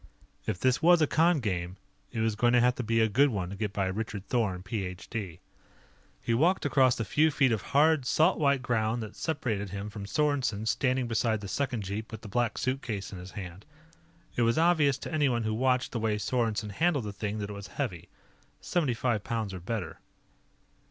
If this was a con game, it was going to have to be a good one to get by Richard Thorn, Ph.D. He walked across the few feet of hard, salt white ground that separated him from Sorensen standing beside the second jeep with the Black Suitcase in his hand. It was obvious to anyone who watched the way Sorensen handled the thing that it was heavy seventy five pounds or better.